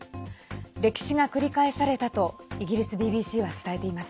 歴史が繰り返されたとイギリスＢＢＣは伝えています。